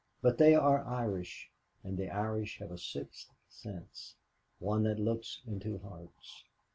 But they are Irish, and the Irish have a sixth sense one that looks into hearts.